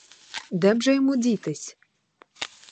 Де б же йому дітись?